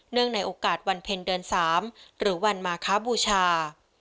เนื่องในโอกาสวันเพ็ญเดือนสามหรือวันมาคะบูชา